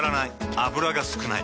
油が少ない。